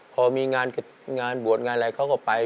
พอมีงานบวชงานอะไรเขาก็ไป